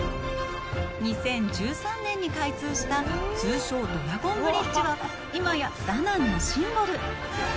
２０１３年に開通した通称ドラゴンブリッジは、今や、ダナンのシンボル。